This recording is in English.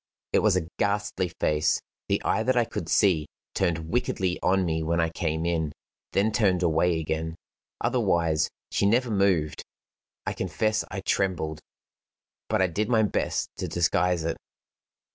It was a ghastly face. The eye that I could see turned wickedly on me when I came in then turned away again. Otherwise, she never moved. I confess I trembled, but I did my best to disguise it.